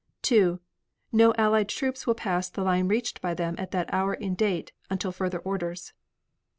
2. No Allied troops will pass the line reached by them at that hour in date until further orders.